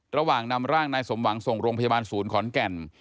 ระหว่างนำร่างนายสมหวังส่งโรงพยาบาลศูนย์ขอนแก่น